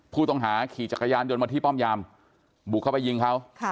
ผู้ต้องหาขี่จักรยานยนต์มาที่ป้อมยามบุกเข้าไปยิงเขา